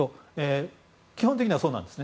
基本的にはそうなんです。